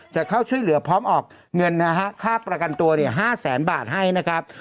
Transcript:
จะเข้าช่วยเหลือพร้อมออกเงินนะฮะค่าประกันตัวเนี่ย๕แสนบาทให้นะครับ